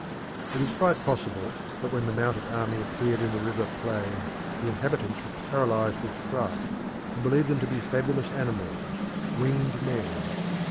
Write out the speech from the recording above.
It is quite possible that when the mounted army appeared in the river plain the inhabitants were paralysed with fright, and believed them to be fabulous animals, winged men.